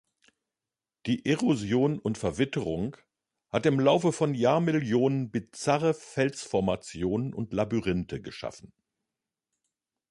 Die Erosion und Verwitterung hat im Laufe von Jahrmillionen bizarre Felsformationen und Labyrinthe geschaffen.